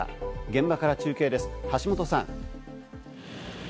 現場から中継です、橋本さん。